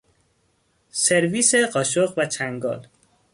سرویس قاشق و چنگال